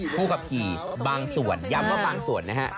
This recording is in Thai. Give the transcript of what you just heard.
ผู้ขับขี่บางส่วนย้ำว่าบางส่วนนะฮะ